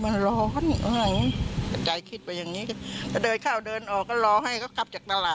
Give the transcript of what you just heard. ส่วนใหญ่จะไม่รอดนะครับ